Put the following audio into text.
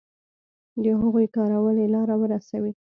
د هغوی کارولې لاره ورسوي.